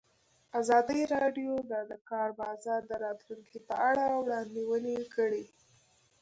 ازادي راډیو د د کار بازار د راتلونکې په اړه وړاندوینې کړې.